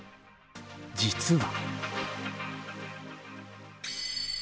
実は。